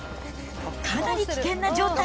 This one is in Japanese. かなり危険な状態。